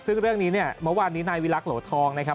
ซึ่งเรื่องนี้เนี่ยเมื่อวานนี้นายวิลักษโหลทองนะครับ